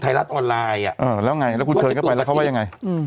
รัฐออนไลน์อ่ะเออแล้วไงแล้วคุณเชิญเข้าไปแล้วเขาว่ายังไง